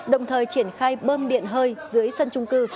đồng thời triển khai bơm điện hơi dưới sân trung cư